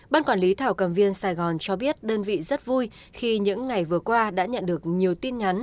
ban quản lý thảo cầm viên sài gòn cho biết đơn vị rất vui khi những ngày vừa qua đã nhận được nhiều tin nhắn